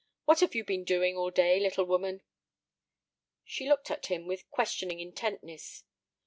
What have you been doing all day, little woman?" She looked at him with questioning intentness.